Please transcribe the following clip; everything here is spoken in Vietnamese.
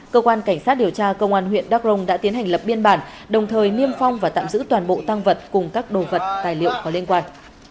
cơ quan cảnh sát điều tra công an huyện đắk rồng đã tiến hành lập biên bản đồng thời niêm phong và tạm giữ toàn bộ tăng vật cùng các đồ vật tài liệu có liên quan